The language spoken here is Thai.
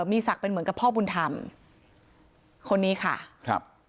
มีศักดิ์เป็นเหมือนกับพ่อบุญธรรมคนนี้ค่ะครับ